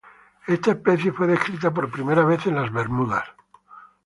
Esta especie fue descrita por primera vez en Bermudas.